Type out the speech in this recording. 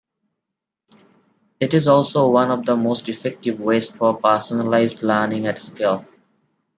It is also one of the most effective ways for personalized learning at scale.